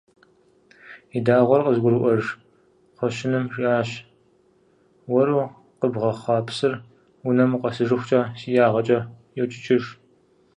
И дагъуэр къызыгурыӀуэж кхъуэщыным жиӏащ: «Уэру къибгъэхъуа псыр унэм укъэсыжыхукӀэ си ягъэкӀэ йокӀыкӀыж».